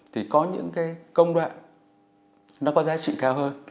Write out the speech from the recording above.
thì có những cái công đoạn nó có giá trị cao hơn